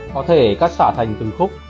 có thể cắt sả thành từng khúc